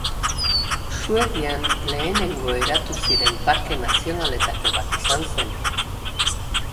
Suedian lehenengo eratu ziren parke nazionaletako bat izan zen.